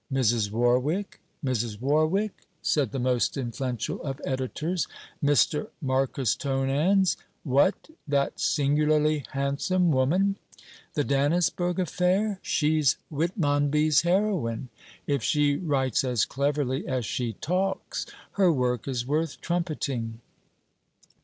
'Mrs. Warwick? Mrs. Warwick?' said the most influential of editors, Mr. Marcus Tonans; 'what! that singularly handsome woman?.. The Dannisburgh affair?... She's Whitmonby's heroine. If she writes as cleverly as she talks, her work is worth trumpeting.'